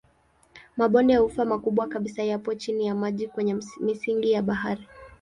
Mabonde ya ufa makubwa kabisa yapo chini ya maji kwenye misingi ya bahari.